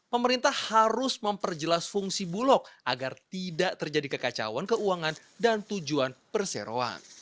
pemerintah harus memperjelas fungsi bulog agar tidak terjadi kekacauan keuangan dan tujuan perseroan